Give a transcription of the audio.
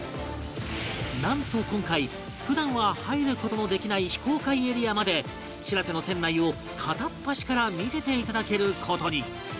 なんと今回普段は入る事のできない非公開エリアまでしらせの船内を片っ端から見せていただける事に